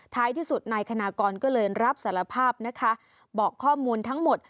ที่สุดนายคณากรก็เลยรับสารภาพนะคะบอกข้อมูลทั้งหมด